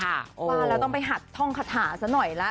ว่าแล้วต้องไปหัดท่องคาถาซะหน่อยละ